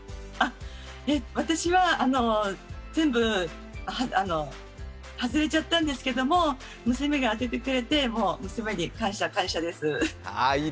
私は全部、外れちゃったんですけど、娘が当ててくれて娘に感謝、感謝です。